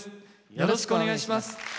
よろしくお願いします。